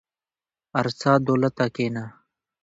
ارڅه دولته کينه.